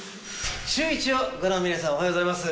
シューイチをご覧の皆さん、おはようございます。